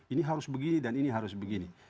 ini harus begini dan ini harus begini